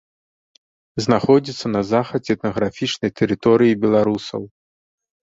Знаходзіцца на захадзе этнаграфічнай тэрыторыі беларусаў.